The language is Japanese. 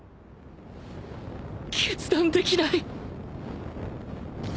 決断できない